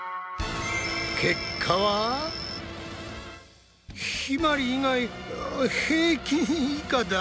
結果はひまり以外平均以下だ。